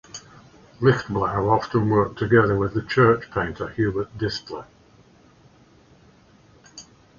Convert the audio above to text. Lichtblau often worked together with the church painter Hubert Distler.